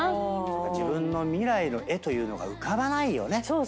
自分の未来の絵というのが浮かばないよね。